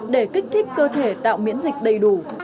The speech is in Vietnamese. để kích thích cơ thể tạo miễn dịch đầy đủ